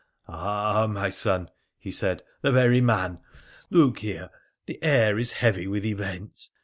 ' Ah, my son,' he said —' the very man. Look here, the air is heavy with event.